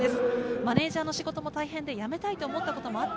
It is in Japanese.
マネージャーの仕事も大変で、辞めたい思ったこともあった。